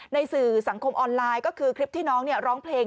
สื่อสังคมออนไลน์ก็คือคลิปที่น้องร้องเพลง